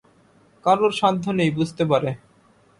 কারুর সাধ্য নেই বুঝতে পারে।